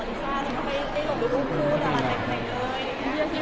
ก็จะจะใครเหมือนกันค่ะ